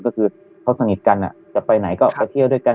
ก็คือเขาสนิทกันจะไปไหนก็ไปเที่ยวด้วยกัน